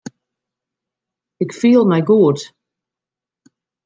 Ik fiel my goed.